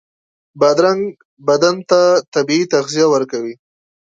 بادرنګ بدن ته طبعي تغذیه ورکوي.